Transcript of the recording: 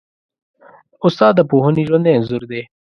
استاد د پوهنې ژوندی انځور دی.